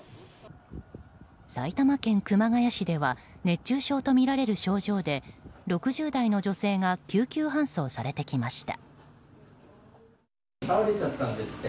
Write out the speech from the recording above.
埼玉県熊谷市では熱中症とみられる症状で６０代の女性が救急搬送されてきました。